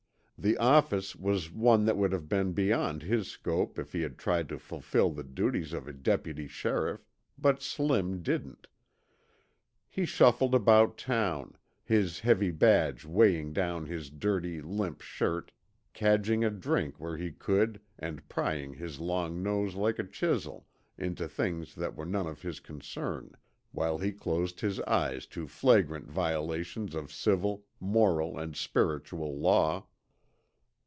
The office was one that would have been beyond his scope if he had tried to fulfill the duties of a deputy sheriff, but Slim didn't. He shuffled about town, his heavy badge weighting down his dirty, limp shirt, cadging a drink where he could and prying his long nose like a chisel into things that were none of his concern, while he closed his eyes to flagrant violations of civil, moral, and spiritual law.